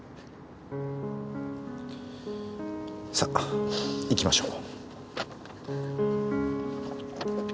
さあ行きましょう。